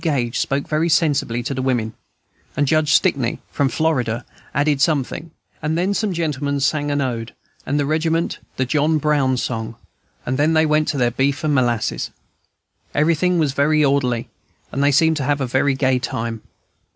Gage spoke very sensibly to the women, and Judge Stickney, from Florida, added something; then some gentleman sang an ode, and the regiment the John Brown song, and then they went to their beef and molasses. Everything was very orderly, and they seemed to have a very gay time.